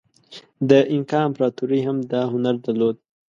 د اینکا امپراتورۍ هم دا هنر درلود.